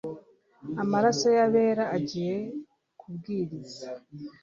amaraso y'abera agiye kubwiriza